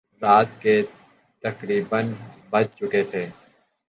رات کے تقریبا بج چکے تھے